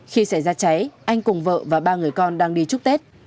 khi xảy ra cháy anh cùng vợ và ba người con đang đi chúc tết